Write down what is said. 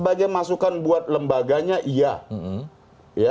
sebagai masukan buat lembaganya iya